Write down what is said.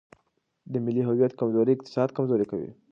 د ملي هویت کمزوري اقتصاد کمزوری کوي.